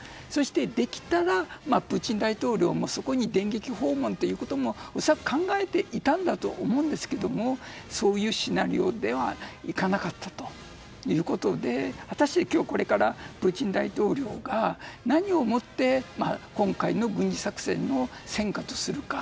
できたらプーチン大統領もそこに電撃訪問ということも恐らく考えていたんだと思うんですけどもそういうシナリオではいかなかったということで果たして、今日これからプーチン大統領が何をもって今回の軍事作戦の戦果とするか。